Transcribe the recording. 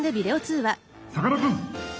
さかなクン。